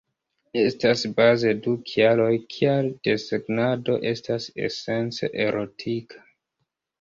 Estas baze du kialoj, kial desegnado estas esence erotika.